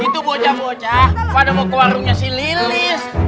itu bocah bocah pada mau ke warungnya si lilis